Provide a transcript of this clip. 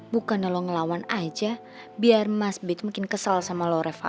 bukan lo ngelawan aja biar mas bet mungkin kesal sama lo reva